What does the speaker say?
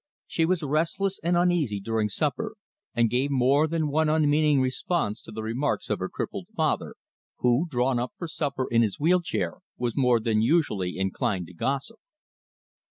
She was restless and uneasy during supper, and gave more than one unmeaning response to the remarks of her crippled father, who, drawn up for supper in his wheel chair, was more than usually inclined to gossip.